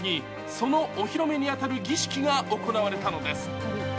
そのお披露目に当たる儀式が行われたのです。